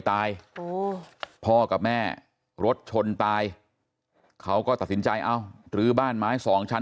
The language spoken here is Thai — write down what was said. พ่อกับแม่รถชนตายเขาก็ตัดสินใจเอ้ารื้อบ้านไม้สองชั้น